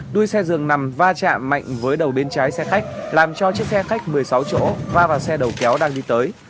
đuôi xe dường nằm va chạm mạnh với đầu bên trái xe khách làm cho chiếc xe khách một mươi sáu chỗ va vào xe đầu kéo đang đi tới